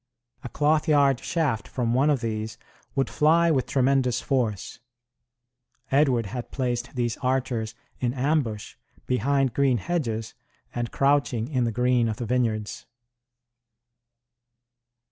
A cloth yard shaft from one of these would fly with tremendous force. Edward had placed these archers in ambush, behind green hedges, and crouching in the green of the vineyards.